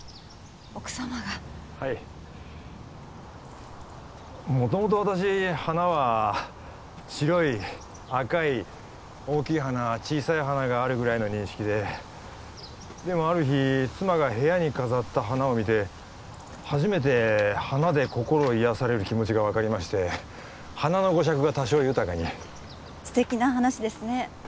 奥様がはい元々私花は白い赤い大きい花小さい花があるぐらいの認識ででもある日妻が部屋に飾った花を見て初めて花で心癒やされる気持ちが分かりまして花の語釈が多少豊かに素敵な話ですね